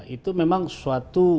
itu memang suatu